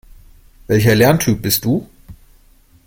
Welcher Lerntyp bist du?